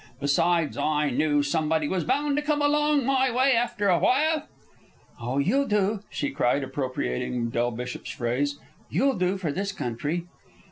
Besides, I knew somebody was bound to come along my way after a while." "Oh, you'll do!" she cried, appropriating Del Bishop's phrase. "You'll do for this country!"